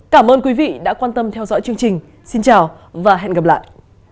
cảm ơn các bạn đã theo dõi và hẹn gặp lại